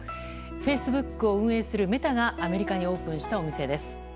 フェイスブックを運営するメタがアメリカにオープンしたお店です。